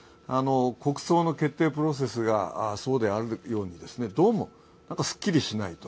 国葬の決定プロセスがそうであるように、どうもすっきりしない。